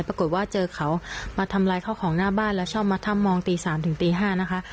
ปรากฏว่าเจอเขามาทำลายข้าวของหน้าบ้านแล้วชอบมาถ้ำมองตี๓ถึงตี๕นะคะ